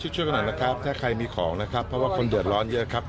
ช่วยกันหน่อยนะครับถ้าใครมีของนะครับเพราะว่าคนเดือดร้อนเยอะครับ